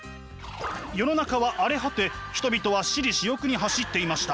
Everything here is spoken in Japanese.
世の中は荒れ果て人々は私利私欲に走っていました。